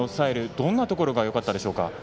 どんなところがよかったでしょうか。